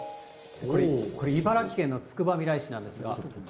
これ茨城県のつくばみらい市なんですが。